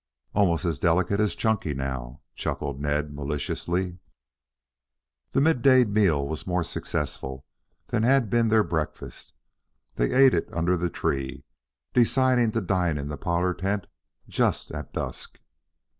"Almost as delicate as Chunky now," chuckled Ned maliciously. The midday meal was more successful than had been their breakfast. They ate it under the trees, deciding to dine in the parlor tent just at dusk.